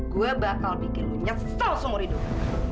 gua bakal bikin lu nyesel seumur hidup